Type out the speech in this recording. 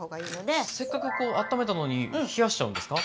せっかくこうあっためたのに冷やしちゃうんですか？